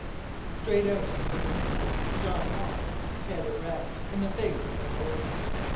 Straight out into the moonlight Jean walked, head erect, in the face of the forest.